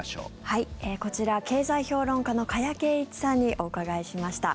こちら、経済評論家の加谷珪一さんにお伺いしました。